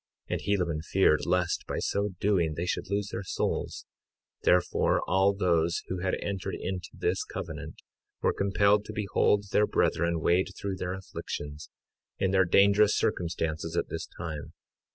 53:15 And Helaman feared lest by so doing they should lose their souls; therefore all those who had entered into this covenant were compelled to behold their brethren wade through their afflictions, in their dangerous circumstances at this time.